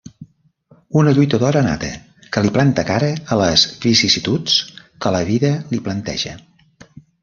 Una lluitadora nata que li planta cara a les vicissituds que la vida li planteja.